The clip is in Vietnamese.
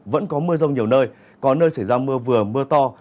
vẫn có mưa rông nhiều nơi có nơi xảy ra mưa vừa mưa to